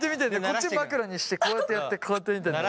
こっち枕にしてこうやってやってこうやって見てんだよ。